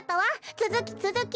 つづきつづき！